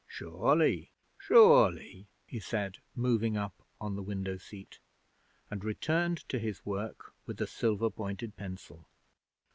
'Surely sure ly!' he said, moving up on the window seat, and returned to his work with a silver pointed pencil.